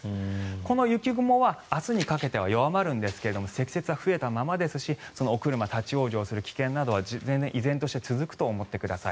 この雪雲は明日にかけては弱まるんですが積雪は増えたままですしお車立ち往生する危険などは依然として続くと思ってください。